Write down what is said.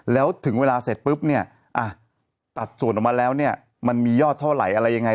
แล้วถึงเวลาเสร็จปุ๊บเนี่ยตัดส่วนออกมาแล้วเนี่ยมันมียอดเท่าไหร่อะไรยังไง